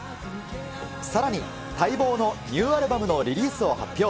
さらに待望のニューアルバムのリリースを発表。